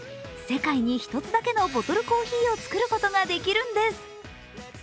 世界で一つだけのボトルコーヒーを作ることができるんです。